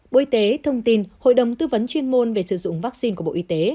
bộ y tế thông tin hội đồng tư vấn chuyên môn về sử dụng vaccine của bộ y tế